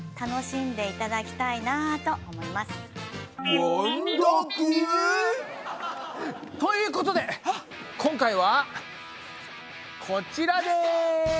皆さんとということで今回はこちらです。